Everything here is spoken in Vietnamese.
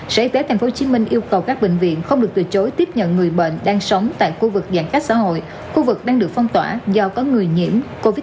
sở y tế tp hcm yêu cầu các bệnh viện không được từ chối tiếp nhận người bệnh đang sống tại khu vực giãn cách xã hội khu vực đang được phong tỏa do có người nhiễm covid một mươi chín